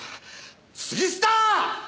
杉下！！